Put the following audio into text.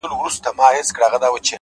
د لرې اورګاډي غږ د فضا خالي توب ښيي!